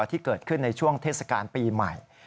ที่เกิดขึ้นในช่วงเทศกาลปีใหม่